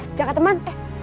eh jangan teman